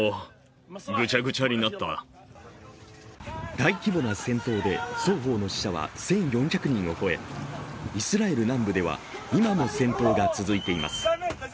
大規模な戦闘で双方の死者は１４００人を超えイスラエル南部では、今も戦闘が続いています。